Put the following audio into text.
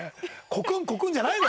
コクンコクンじゃないのよ。